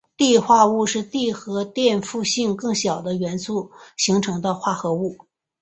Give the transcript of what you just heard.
锑化物是锑和电负性更小的元素形成的化合物。